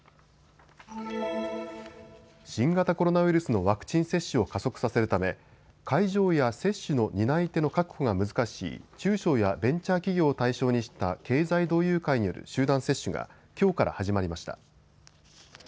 新型コロナウイルスのワクチン接種を加速させるため会場や接種の担い手の確保が難しい中小やベンチャー企業を対象にした経済同友会による集団接種がきょうから始まりました。